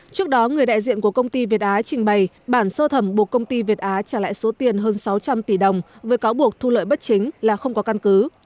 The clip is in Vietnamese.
trước đó người đại diện của công ty việt á trình bày bản sơ thẩm buộc công ty việt á trả lại số tiền hơn sáu trăm linh tỷ đồng với cáo buộc thu lợi bất chính là không có căn cứ